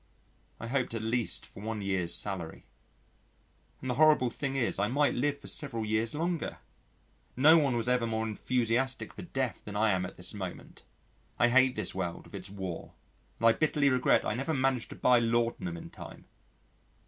I hoped at least for one year's salary. And the horrible thing is I might live for several years longer! No one was ever more enthusiastic for death than I am at this moment. I hate this world with its war, and I bitterly regret I never managed to buy laudanum in time.